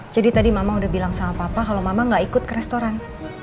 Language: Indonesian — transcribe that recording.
jadi tadi mama udah bilang sama papa kalau mama gak ikut ke restoran